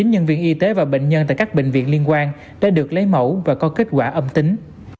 hai chín trăm ba mươi chín nhân viên y tế và bệnh nhân tại các bệnh viện liên quan đã được lấy mẫu và có kết quả âm tính